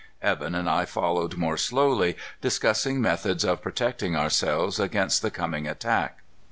Evan and I followed more slowly, discussing methods of protecting ourselves against the coming attack.